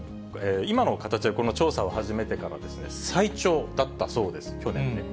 今の形でこの調査を始めてからですね、最長だったそうです、去年。